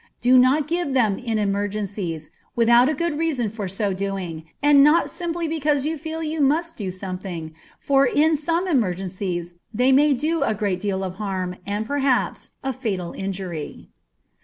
Do not give them in emergencies, without a good reason for so doing, and not simply because you feel you must do something, for in some emergencies they may do a great deal of harm, and perhaps, a fatal injury.